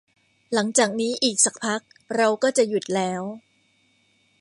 หลังจากนี้อีกสักพักเราก็จะหยุดแล้ว